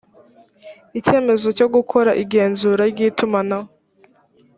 icyemezo cyo gukora igenzura ry itumanaho